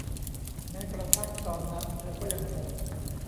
แม้กระทั่งตอนนั้นเธอก็ยัง งง